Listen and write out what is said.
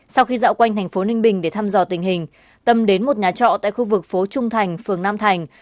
sau khi dạo quanh thành phố ninh bình để thăm dò tình hình tâm đến một nhà trọ tại khu vực phố trung thành phường nam thành